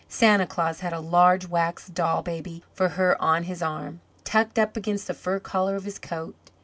Santa Claus had a large wax doll baby for her on his arm, tucked up against the fur collar of his coat.